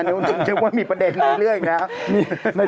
นึกว่ามีประเด็นเรื่อยอย่างนี้ครับ